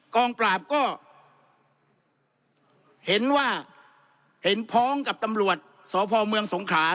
กองปราบก็เห็นว่าเห็นพ้องกับตำรวจสพเมืองสงขรา